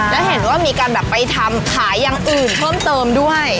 แล้วเห็นว่ามีการแบบไปทำขายอย่างอื่นเพิ่มเติมด้วย